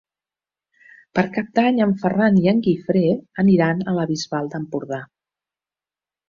Per Cap d'Any en Ferran i en Guifré aniran a la Bisbal d'Empordà.